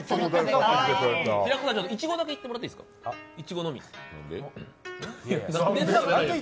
平子さん、いちごだけいってもらっていいですか、いちごのみ。